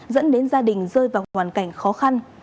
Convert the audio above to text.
dẫn đến gia đình rơi vào hoàn cảnh khó khăn